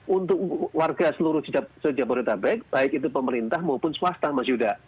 untuk warga seluruh jabodetabek baik itu pemerintah maupun swasta mas yuda